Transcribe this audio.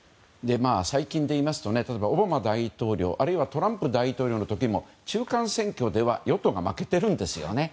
最近で言いますとオバマ大統領あるいはトランプ大統領の時も中間選挙では与党が負けてるんですよね。